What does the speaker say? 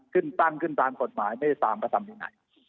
ขึ้นตั้งขึ้นตามกฎหมายไม่ได้ตามมาทำยังไง